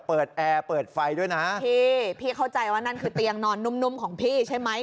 แอร์เปิดไฟด้วยนะพี่พี่เข้าใจว่านั่นคือเตียงนอนนุ่มนุ่มของพี่ใช่ไหม